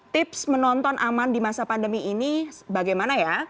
tips menonton aman di masa pandemi ini bagaimana ya